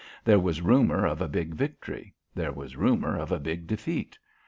There was rumour of a big victory; there was rumour of a big defeat.